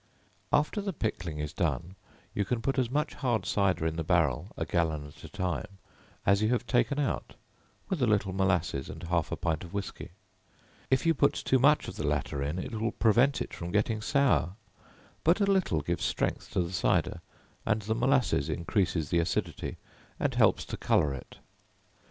After the pickling is done, you can put as much hard cider in the barrel, a gallon at a time, as you have taken out, with a little molasses, and half a pint of whiskey; if you put too much of the latter it will prevent it from getting sour, but a little gives strength to the cider, and the molasses increases the acidity, and helps to color it.